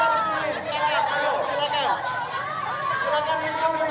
dua belas kenapa ada pasang